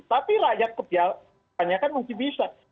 tapi layak kebiasaanya kan mungkin bisa